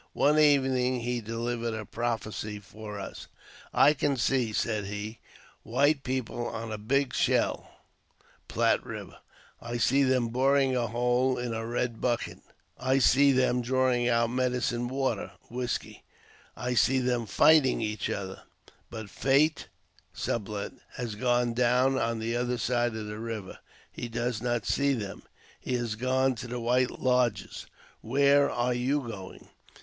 One evening he delivered a prophecy for us. "I can see," said he, ''white people on Big Shell (Platte Eiver) ; I see them boring a hole in a red bucket ; I see them drawing out medicine water (whiskey) ; I see them fighting each other ; but Fate (Sublet) has gone down on the other side of the river : he does not see them. He has gone to the white lodges. Where are you going